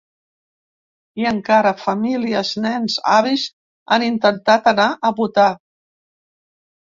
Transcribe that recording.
I encara: Famílies, nens, avis han intentat anar a votar.